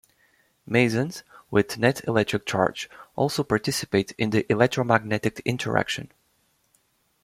Mesons with net electric charge also participate in the electromagnetic interaction.